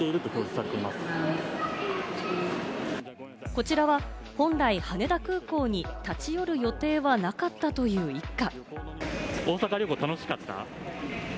こちらは本来、羽田空港に立ち寄る予定はなかったという一家。